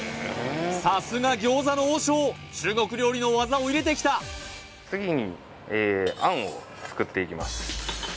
さすが餃子の王将中国料理の技を入れてきたを作っていきます